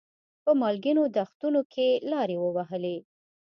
په مالګینو دښتونو کې لارې ووهلې.